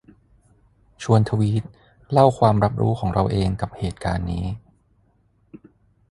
ชวนทวีตเล่าความรับรู้ของเราเองกับเหตุการณ์นี้